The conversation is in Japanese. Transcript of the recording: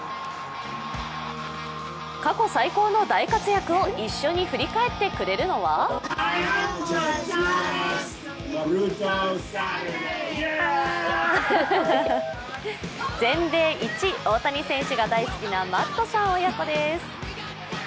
過去最高の大活躍を一緒に振り返ってくれるのは全米一、大谷選手が大好きなマットさん親子です。